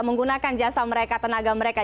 menggunakan jasa mereka tenaga mereka